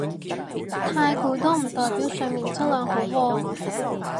太攰都唔代表睡眠質素好喎